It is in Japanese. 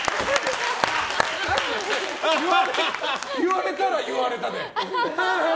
言われたら言われたで。